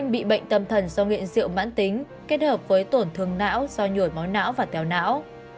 bệnh tâm thần do nghiện diệu mãn tính kết hợp với tổn thương não do nhuổi máu não và tèo não